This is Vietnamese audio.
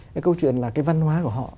cái câu chuyện là cái văn hóa của họ